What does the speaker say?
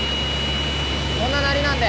こんななりなんで。